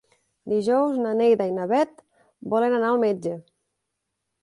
Dijous na Neida i na Bet volen anar al metge.